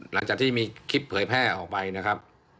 หลังจากที่มีคลิปเผยแพร่ออกไปนะครับ